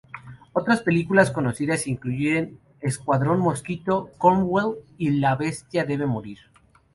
Otras películas conocidas incluyen "Escuadrón Mosquito", "Cromwell" y "La bestia debe morir".